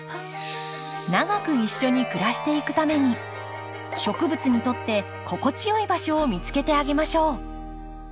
長く一緒に暮らしていくために植物にとって心地よい場所を見つけてあげましょう。